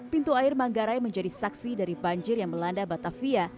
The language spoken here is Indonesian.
pintu air manggarai menjadi saksi dari banjir yang melanda batavia